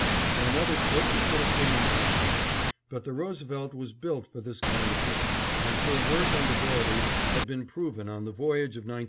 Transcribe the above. For another ship it would have been impassable, but the Roosevelt was built for this kind of work, and her worth and ability had been proven on the voyage of 1905.